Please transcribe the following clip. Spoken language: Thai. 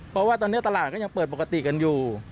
เพราะว่าตอนนี้ตลาดก็ยังเปิดปกติกันอยู่